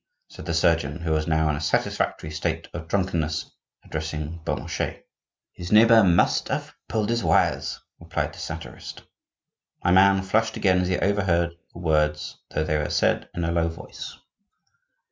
said the surgeon, who was now in a satisfactory state of drunkenness, addressing Beaumarchais. "His neighbor must have pulled his wires," replied the satirist. My man flushed again as he overheard the words, though they were said in a low voice.